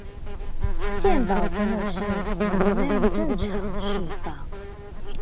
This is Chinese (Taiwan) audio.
健保真的是能量正常釋放